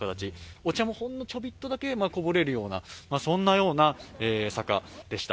お茶もほんのちょびっとだけこぼれるような坂でした。